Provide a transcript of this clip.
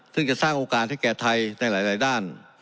ซึ่งจะสร้างโอกาสให้แก่ไทยในหลายด้าน